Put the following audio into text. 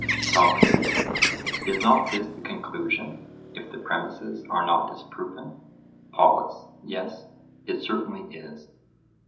SOCRATES: Is not this the conclusion, if the premises are not disproven? POLUS: Yes; it certainly is.